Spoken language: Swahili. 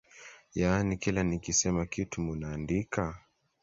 Yaani kila nikisema kitu munaandika?